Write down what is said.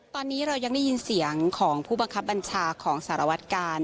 ตอนนี้เรายังได้ยินเสียงของผู้บังคับบัญชาของสารวัตกาล